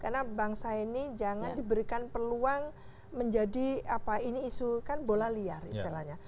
karena bangsa ini jangan diberikan peluang menjadi apa ini isu kan bola liar istilahnya